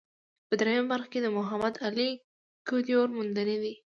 په درېیمه برخه کې د محمد علي کدیور موندنې دي.